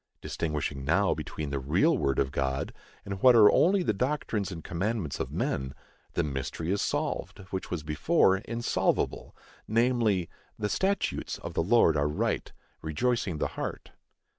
Distinguishing now between the real word of God and what are only the doctrines and commandments of men, the mystery is solved, which was before insolvable, namely, "The statutes of the Lord are right, rejoicing the heart."